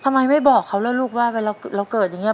ทำไมไม่บอกเขาแล้วลูกว่าเวลาเราเกิดอย่างนี้